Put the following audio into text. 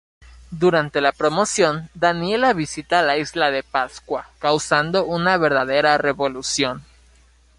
Durante la promoción Daniela visita la Isla de Pascua, causando una verdadera revolución.